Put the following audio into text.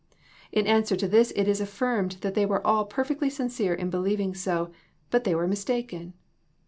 In answer to this it is affirmed that they were all perfectly sincere in believing so, but they were mistaken.